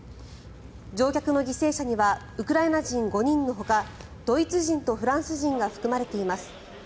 乗客の犠牲者にはウクライナ人５人のほかドイツ人とフランス人が含まれています。